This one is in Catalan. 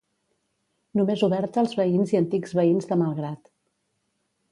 Només oberta als veïns i antics veïns de Malgrat.